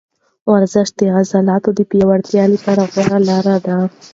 ورزش د عضلاتو د پیاوړتیا لپاره غوره لاره ده.